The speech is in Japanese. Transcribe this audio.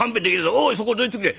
おいそこどいてくれ！